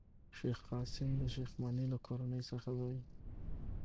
شېخ قاسم د شېخ مني له کورنۍ څخه دﺉ.